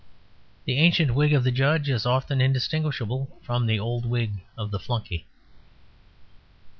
The ancient wig of the judge is often indistinguishable from the old wig of the flunkey.